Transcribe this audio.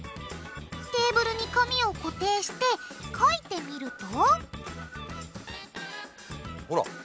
テーブルに紙を固定してかいてみるとほら！